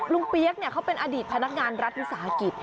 เปี๊ยกเขาเป็นอดีตพนักงานรัฐวิสาหกิจ